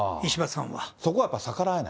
そこはやっぱり逆らえない？